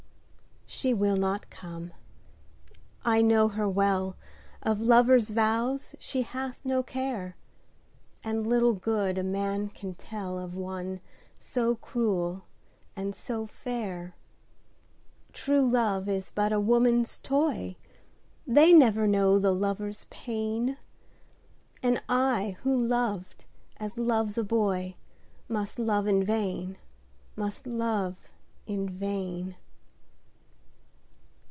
She will not come, I know her well, Of lover's vows she hath no care, And little good a man can tellOf one so cruel and so fair. True love is but a woman's toy, They never know the lover's pain, And I who loved as loves a boyMust love in vain, must love in vain.